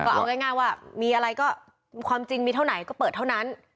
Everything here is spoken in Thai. ก็เอาง่ายว่ามีอะไรก็ความจริงมีเท่าไหนก็เปิดเท่านั้น